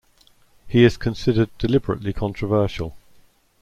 He is considered deliberately controversial.